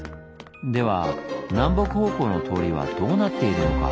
では南北方向の通りはどうなっているのか？